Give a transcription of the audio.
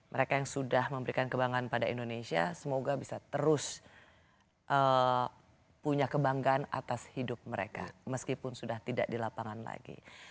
mereka yang sudah memberikan kebanggaan pada indonesia semoga bisa terus punya kebanggaan atas hidup mereka meskipun sudah tidak di lapangan lagi